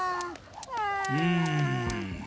うん。